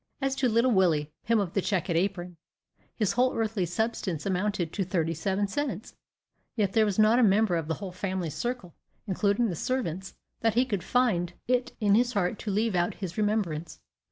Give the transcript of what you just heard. As to little Willie, him of the checked apron, his whole earthly substance amounted to thirty seven cents; yet there was not a member of the whole family circle, including the servants, that he could find it in his heart to leave out of his remembrance.